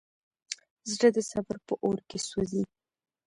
زړه د صبر په اور کې سوځي.